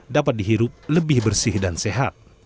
dapat dihirup lebih bersih dan sehat